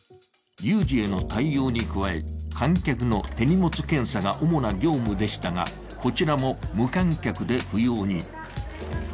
有事への対応に加え、観客の手荷物検査が主な業務でしたが、こちらも無観客で不要に。